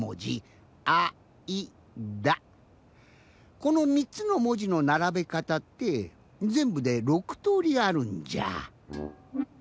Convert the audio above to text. この３つのもじのならべかたってぜんぶで６とおりあるんじゃ。